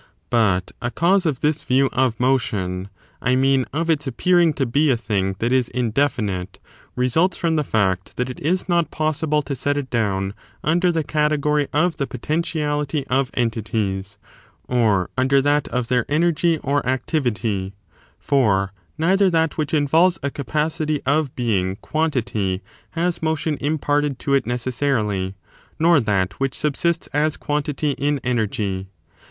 6. What hat ^^*^ cause of this view of motion — I mean, led these spccu of its appearing to be a thing that is indefinite motion as what — results from the &ct that it is not possible to it indefinite, gg^ j^ dowu imdcr the category of the poten tiality of entities, or under that of their energy or activity; for neither that which involves a capacity of being quantity has motion imparted to it necessarily, nor that which sub sists as quantity in energy.